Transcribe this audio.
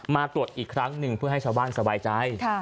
มาตรวจอีกครั้งหนึ่งเพื่อให้ชาวบ้านสบายใจ